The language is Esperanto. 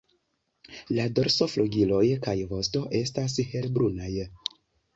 La dorso, flugiloj kaj vosto estas helbrunaj.